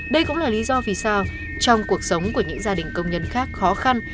đây cũng là lý do vì sao trong cuộc sống của những gia đình công nhân khác khó khăn